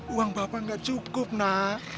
uang bapak nggak cukup nak